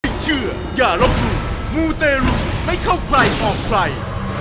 ไม่เชื่ออย่ารบหลุมมูเตรุไม่เข้าใครออกใกล้